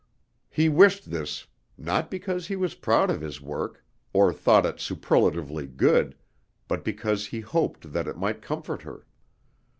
He wished this not because he was proud of his work, or thought it superlatively good, but because he hoped that it might comfort her.